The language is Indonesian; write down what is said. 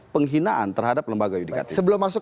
penghinaan terhadap lembaga yudikatif sebelum masuk